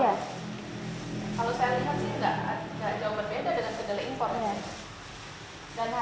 kalau saya lihat sih nggak jauh berbeda dengan kedelai impornya